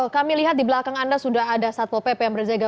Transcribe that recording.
kami lihat di belakang anda sudah ada satpol pp yang berjaga